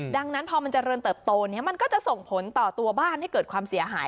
ดังนั้นพอมันเจริญเติบโตเนี่ยมันก็จะส่งผลต่อตัวบ้านให้เกิดความเสียหาย